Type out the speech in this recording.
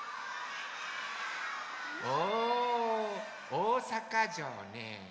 おおさかじょうね。